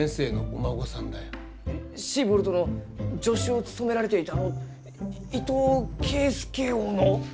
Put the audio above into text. シーボルトの助手を務められていたあの伊藤圭介翁の？